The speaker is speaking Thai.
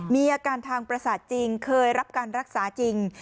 มีอาการทางประสาทจริงเคยรับการรักษาจริง